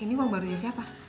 ini uang baru nya siapa